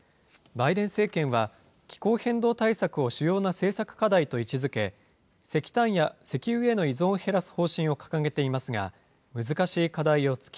バイデン政権は、気候変動対策を主要な政策課題と位置づけ、石炭や石油への依存を減らす方針を掲げていますが、難しい課題を突き